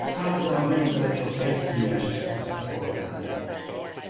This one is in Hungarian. Általában egyszerre csak egy klienst tud kiszolgálni.